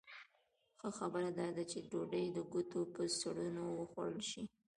ښه خبره دا ده چې ډوډۍ د ګوتو په سرونو وخوړل شي.